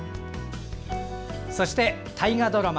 そして、大河ドラマ